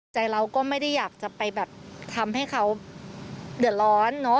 ใจเราก็ไม่ได้อยากจะไปแบบทำให้เขาเดือดร้อนเนอะ